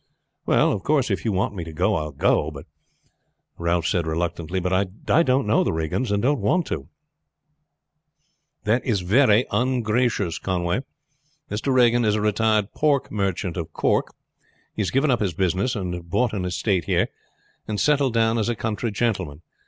"Well, of course, if you want me to go I will go," Ralph said reluctantly. "But I don't know the Regans, and don't want to." "That is very ungracious, Conway. Mr. Regan is a retired pork merchant of Cork. He has given up his business and bought an estate here, and settled down as a country gentleman.